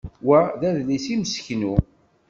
Wa d adlis imseknu.